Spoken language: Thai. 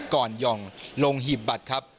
หย่องลงหีบบัตรครับ